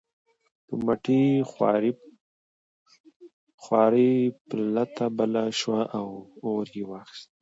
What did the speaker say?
په مټې خوارۍ پلته بله شوه او اور یې واخیست.